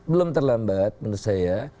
belum terlambat menurut saya